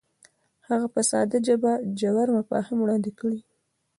هغه په ساده ژبه ژور مفاهیم وړاندې کوي.